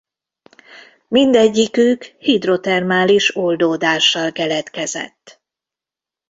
Mindegyikük hidrotermális oldódással keletkezett.